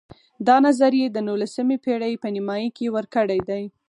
دا نظر یې د نولسمې پېړۍ په نیمایي کې ورکړی دی.